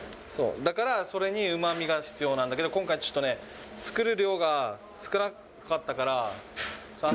だから、それにうまみが必要なんだけど、今回、ちょっとね、作る量が少なかったから。